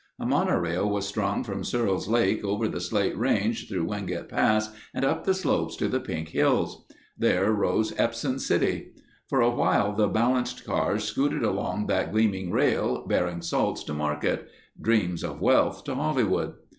A mono rail was strung from Searles' Lake over the Slate Range through Wingate Pass and up the slopes to the pink hills. There rose Epsom City. For awhile the balanced cars scooted along that gleaming rail, bearing salts to market—dreams of wealth to Hollywood.